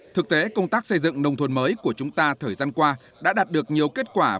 thực tế công tác xây dựng nông thôn mới của chúng ta thời gian qua đã đạt được nhiều kết quả